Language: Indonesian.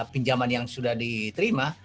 penjaman yang sudah diterima